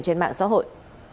trên mạng xã hội